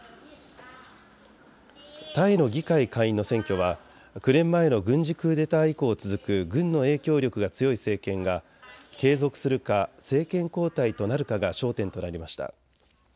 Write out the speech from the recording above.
タイの議会下院の選挙は９年前の軍事クーデター以降続く軍の影響力が強い政権が継続するか政権交代となるかが焦点となりました。